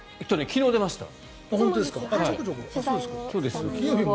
昨日、出ました。